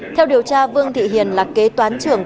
theo điều tra vương thị hiền là kế toán trưởng